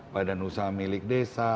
badan usaha milik desa